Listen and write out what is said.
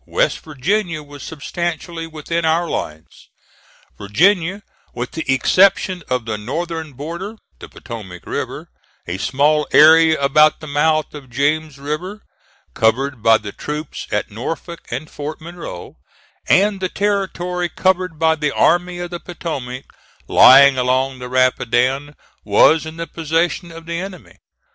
West Virginia was substantially within our lines. Virginia, with the exception of the northern border, the Potomac River, a small area about the mouth of James River, covered by the troops at Norfolk and Fort Monroe, and the territory covered by the Army of the Potomac lying along the Rapidan, was in the possession of the enemy.